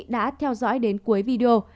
đã theo dõi đến cuối video